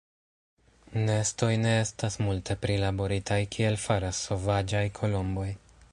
Nestoj ne estas multe prilaboritaj kiel faras sovaĝaj kolomboj.